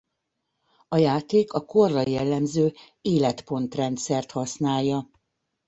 A játék a korra jellemző életpont-rendszert használja.